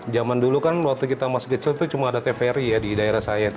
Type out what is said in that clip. zaman dulu kan waktu kita masih kecil itu cuma ada tvri ya di daerah saya itu